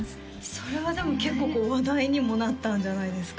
それはでも結構話題にもなったんじゃないですか？